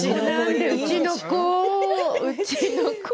うちの子。